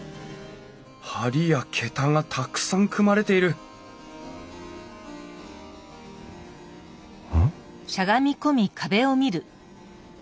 梁や桁がたくさん組まれているうん？